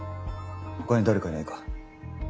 ほかに誰かいないか？